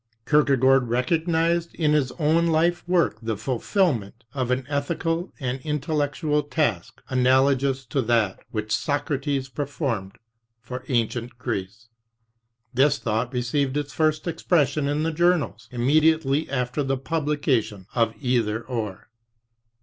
Kierkegaard recognized in his own life work the fulfilment of an ethical and intellectual task analogous to that which Socrates performed for ancient Greece. This thought received its first expression in the journals im mediately after the publication of Either — Or.